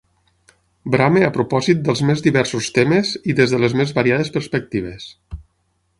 Brame a propòsit dels més diversos temes i des de les més variades perspectives.